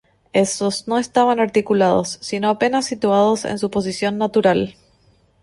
Estos no estaban articulados, sino apenas situados en su posición natural.